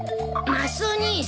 マスオ兄さん！